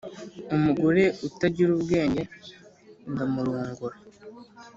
umugore utagira ubwenge ndamurongora